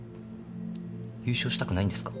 優勝したくないんですか？